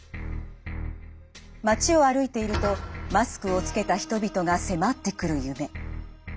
街を歩いているとマスクを着けた人々が迫ってくる夢。